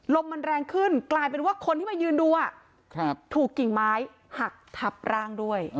ลมมันแรงขึ้นกลายเป็นว่าคนที่มายืนดูถูกกิ่งไม้หักทับร่างด้วย